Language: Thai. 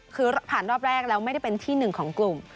คือผ่านรอบแรกแล้วไม่ได้เป็นที่หนึ่งของกลุ่ม